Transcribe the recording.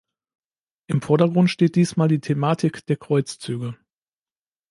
Im Vordergrund steht diesmal die Thematik der Kreuzzüge.